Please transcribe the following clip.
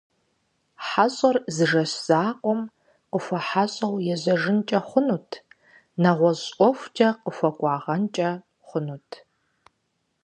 Хьэщӏэр зы жэщ закъуэм къыхуэхьэщӏэу ежьэжынкӏэ хъунут, нэгъуэщӏ ӏуэхукӏэ къыхуэкӏуагъэнкӏэ хъунут.